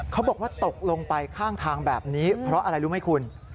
เขาบอกว่าตกลงไปข้างทางแบบนี้เพราะอะไรรู้ไหมคุณ